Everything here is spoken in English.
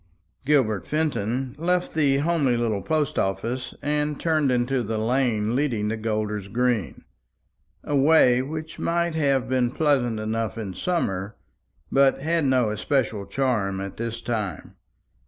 Gilbert Fenton left the homely little post office and turned into the lane leading to Golder's green a way which may have been pleasant enough in summer, but had no especial charm at this time.